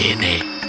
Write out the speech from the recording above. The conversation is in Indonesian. ini harus dilakukan